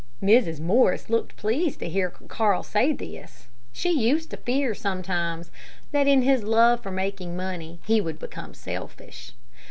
Mrs. Morris looked pleased to hear Carl say this. She used to fear sometimes, that in his love for making money, he would become selfish.